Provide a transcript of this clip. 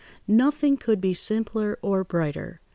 Nothing could be simpler or brighter.